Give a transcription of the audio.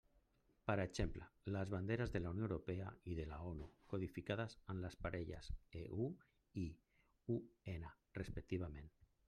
Per exemple, les banderes de la Unió Europea i de l'ONU, codificades amb les parelles EU i UN, respectivament.